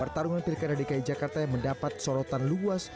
pertarungan pilih kedai dki jakarta yang mendapat sorotan luas